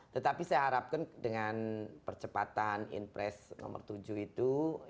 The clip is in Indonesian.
tetapi saya harapkan dengan percepatan inpres nomor tujuh itu